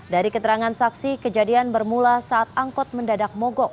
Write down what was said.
dari keterangan saksi kejadian bermula saat angkot mendadak mogok